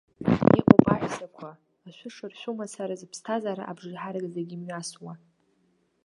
Иҟоуп аҳәсақәа, ашәы шыршәу мацара зыԥсҭазаара абжеиҳарак зегьы мҩасуа.